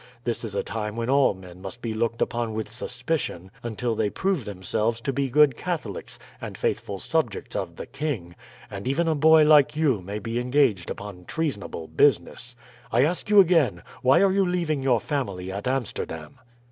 This is a time when all men must be looked upon with suspicion until they prove themselves to be good Catholics and faithful subjects of the king, and even a boy like you may be engaged upon treasonable business. I ask you again, why are you leaving your family at Amsterdam?"